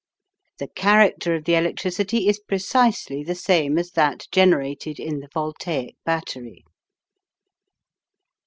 The character of the electricity is precisely the same as that generated in the voltaic battery.